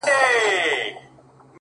زما خوبـونو پــه واوښـتـل.